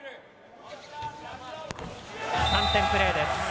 ３点プレーです。